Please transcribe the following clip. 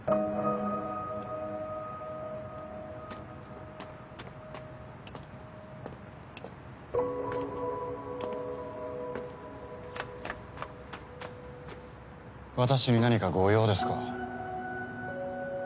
・コツコツ・私に何かご用ですか？